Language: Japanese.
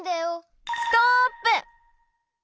ストップ！